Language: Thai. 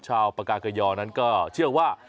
ชาวปากากยอนั้นก็เชื่อว่า